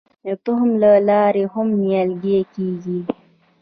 د تخم له لارې هم نیالګي کیږي.